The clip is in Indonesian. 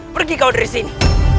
pergi kau dari sini